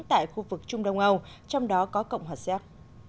tại khu vực trung đông âu trong đó có cộng hòa xéc